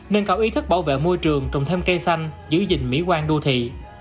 nên cạo ý thức bảo vệ môi trường trồng thêm cây xanh giữ gìn mỹ quan đô thị